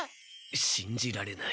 しんじられない。